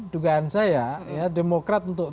dugaan saya ya demokrat untuk